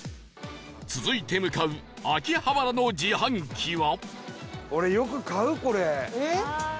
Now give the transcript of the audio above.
続いて向かう秋葉原の自販機は